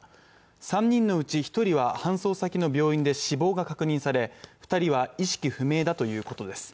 ３人のうち１人は搬送先の病院で死亡が確認され２人は意識不明だということです。